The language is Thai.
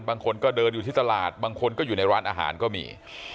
บางคนก็เดินอยู่ที่ตลาดบางคนก็อยู่ในร้านอาหารก็มี